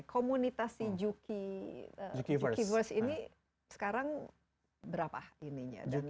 oke komunitas di jukiverse ini sekarang berapa ini